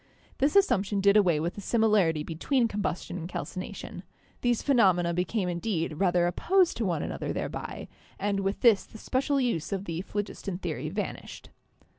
This as sumption did away with the similarity between combustion and calcination; these phenomena became indeed rather opposed to one another thereby, and with this the special use of the phlogiston theory vanished.